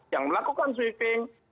yang melakukan sweeping